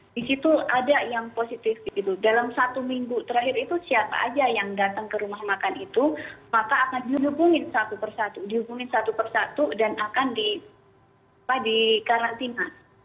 di situ ada yang positif gitu dalam satu minggu terakhir itu siapa aja yang datang ke rumah makan itu maka akan dihubungin satu persatu dihubungin satu persatu dan akan di apa dikarantina